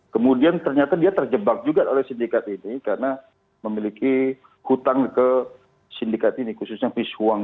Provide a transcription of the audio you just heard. kemudian ternyata dia terjebak juga oleh sindikat ini karena memiliki hutang ke sindikat ini khususnya pish huang